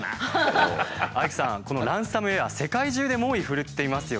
このランサムウエア世界中で猛威振るっていますよね。